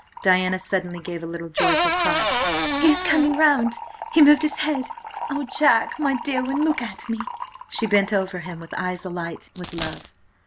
Diana suddenly gave a little joyful cry. "He is coming round! He moved his head! Oh, Jack, my dear one, look at me!" She bent over him with eyes alight with love.